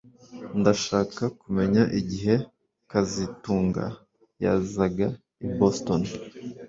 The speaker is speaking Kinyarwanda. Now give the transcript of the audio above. Ndashaka kumenya igihe kazitunga yazaga i Boston